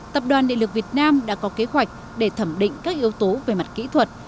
tập đoàn điện lực việt nam đã có kế hoạch để thẩm định các yếu tố về mặt kỹ thuật